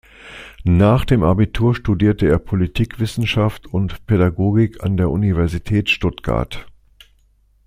Nach dem Abitur studierte er Politikwissenschaft und Pädagogik an der Universität Stuttgart.